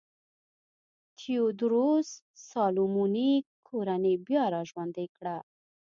تیوودروس سالومونیک کورنۍ بیا را ژوندی کړه.